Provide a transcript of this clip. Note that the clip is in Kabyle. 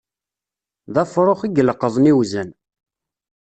D afṛux, i yeleqḍen iwzan.